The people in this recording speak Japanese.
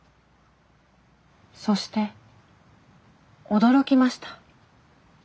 そして驚きました。